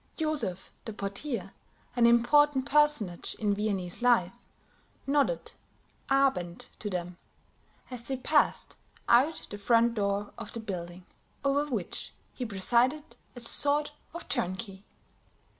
Joseph, the portier, an important personage in Viennese life, nodded "A b e n d" to them, as they passed out the front door of the building, over which he presided as a sort of turnkey.